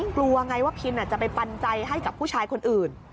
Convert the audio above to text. กลัวไงว่าพินจะไปปันใจให้กับผู้ชายคนอื่น